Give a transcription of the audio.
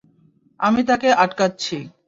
আমি তাকে আটকাচ্ছি।